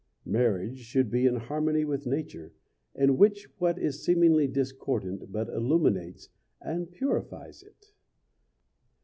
Marriage should be in harmony with nature, in which what is seemingly discordant but illuminates and purifies it.